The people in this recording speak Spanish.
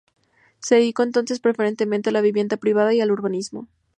Se dedicó entonces preferentemente a la vivienda privada y el urbanismo.